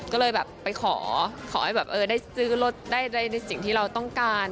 ก็เลยแบบไปขอขอให้แบบเออได้ซื้อรถได้ในสิ่งที่เราต้องการ